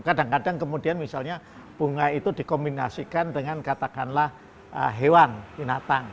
kadang kadang kemudian misalnya bunga itu dikombinasikan dengan katakanlah hewan binatang